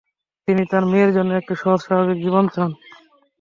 তিনি তাঁর মেয়ের জন্যে একটি সহজ স্বাভাবিক জীবন চান।